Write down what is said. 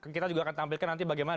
kita juga akan tampilkan nanti bagaimana